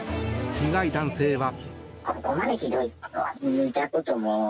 被害男性は。